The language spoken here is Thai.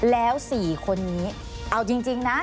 แล้ว๔คนนี้เอาจริงนะ